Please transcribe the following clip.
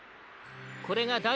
これがだ